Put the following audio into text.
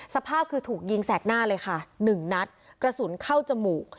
สภาพคือถูกยิงแสกหน้าเลยค่ะหนึ่งนัดกระสุนเข้าจมูก